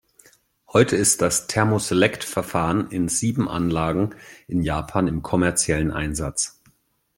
Heute ist das Thermoselect-Verfahren in sieben Anlagen in Japan im kommerziellen Einsatz.